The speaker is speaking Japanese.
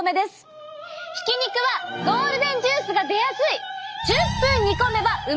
ひき肉はゴールデンジュースが出やすい！